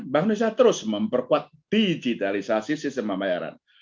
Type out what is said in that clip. bank indonesia terus memperkuat digitalisasi sistem pembayaran